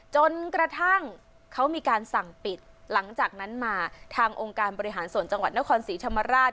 จนกระทั่งเขามีการสั่งปิดหลังจากนั้นมาทางองค์การบริหารส่วนจังหวัดนครศรีธรรมราช